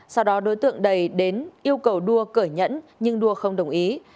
sau đó đối tượng đầy đến yêu cầu đua cởi nhẫn nhưng đua không đồng ý